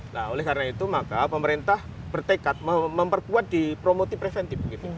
nah oleh karena itu maka pemerintah bertekad memperkuat di promotif preventif